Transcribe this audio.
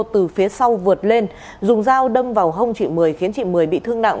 từ phía sau vượt lên dùng dao đâm vào hông chị mười khiến chị mười bị thương nặng